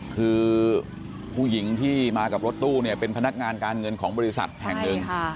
คือผู้หญิงที่มากับรถตู้เนี่ยเป็นพนักงานการเงินของบริษัทแห่งหนึ่ง